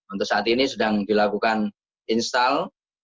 untuk saat ini sedang dilakukan install